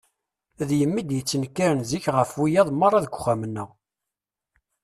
D yemma i d-ittenkaren zik ɣef wiyaḍ merra uxxam-nneɣ.